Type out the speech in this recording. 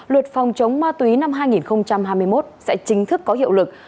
luật phòng chống ma túy năm hai nghìn hai mươi một sẽ chính thức có hiệu lực